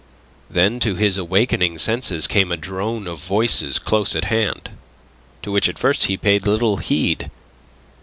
Then to his awakening senses came a drone of voices close at hand, to which at first he paid little heed.